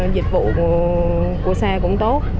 dịch vụ của xe cũng tốt